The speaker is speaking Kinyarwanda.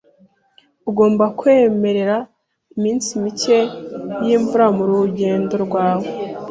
Ugomba kwemerera iminsi mike yimvura murugendo rwawe .